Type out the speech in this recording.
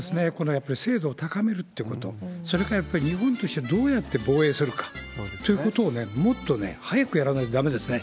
やっぱり精度を高めるっていうこと、それからやっぱり日本としてもどうやって防衛するかということをもっと早くやらないとだめですね。